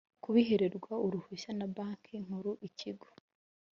Kubihererwa uruhusa na banki nkuru ikigo